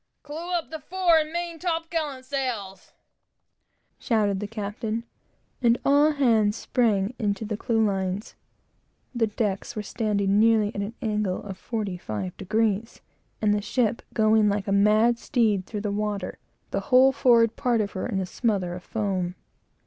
"Clew up the fore and main top gallant sails!" shouted the captain, and all hands sprang to the clewlines. The decks were standing nearly at an angle of forty five degrees, and the ship going like a mad steed through the water, the whole forward part of her in a smother of foam.